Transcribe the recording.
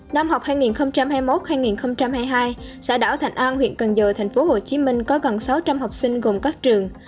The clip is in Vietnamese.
năm học hai nghìn hai mươi một hai nghìn hai mươi hai xã đảo thành an huyện cần giờ thành phố hồ chí minh có gần sáu trăm linh học sinh gồm các trường